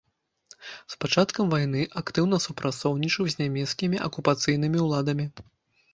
З пачаткам вайны актыўна супрацоўнічаў з нямецкімі акупацыйнымі ўладамі.